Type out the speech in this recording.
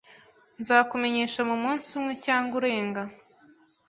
Nzakumenyesha mumunsi umwe cyangwa urenga.